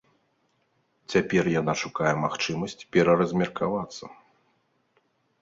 Цяпер яна шукае магчымасць пераразмеркавацца.